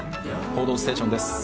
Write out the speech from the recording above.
「報道ステーション」です。